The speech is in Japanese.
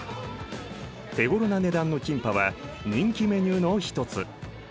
手ごろな値段のキンパは人気メニューの一つ。